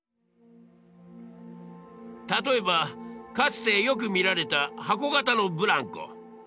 例えばかつてよく見られた箱型のブランコ。